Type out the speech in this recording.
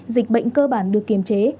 dịch bệnh cơ bản được kiềm chế